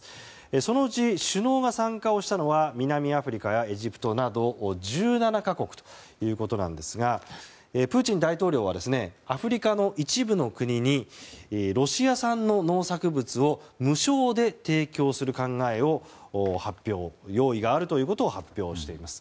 そのうち首脳が参加をしたのは南アフリカやエジプトなど１７か国ということですがプーチン大統領はアフリカの一部の国にロシア産の農作物を無償で提供する考えを用意があるということを発表しています。